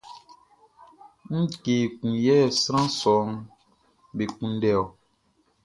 Ngue ekun yɛ sran sɔʼm be kunndɛ ɔ?